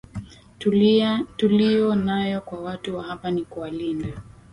tuliyo nayo kwa watu wa hapa Ni kuwalinda